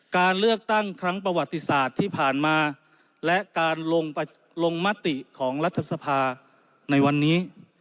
การเลือกตั้งครั้งประวัติศาสตร์ที่ผ่านมาและการลงมติของรัฐสภาในวันนี้